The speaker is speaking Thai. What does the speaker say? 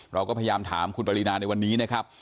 เราก็พยายามถามคุณปรินาในวันนี้นะครับ